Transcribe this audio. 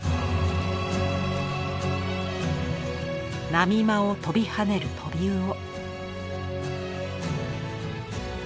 波間を跳びはねるトビウオ。